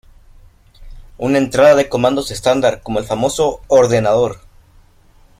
Una entrada de comandos estándar, como el famoso "¡Ordenador!